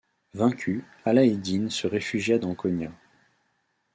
Vaincu, Alaeddin se réfugia dans Konya.